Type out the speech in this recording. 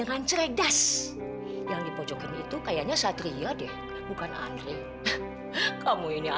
apa memang jatuh cinta selalu sakit